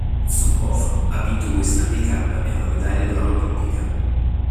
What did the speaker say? Zubov ha vinto due Stanley Cup e una medaglia d'oro olimpica.